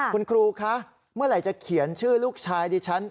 คุณครูคะเมื่อไหร่จะเขียนชื่อลูกชายดิฉัน